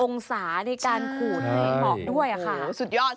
องศาในการขูดให้เหมาะด้วยค่ะ